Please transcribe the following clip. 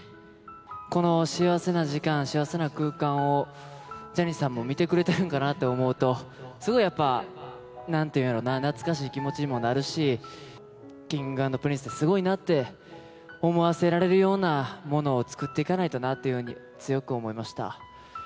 この幸せな時間、幸せな空間を、ジャニーさんも見てくれてるのかなと思うと、すごいやっぱ、なんていうのか、懐かしい気持ちにもなるし、Ｋｉｎｇ＆Ｐｒｉｎｃｅすごいなって思わせられるようなものを作っていかないとなっていうふうに、強く思いました。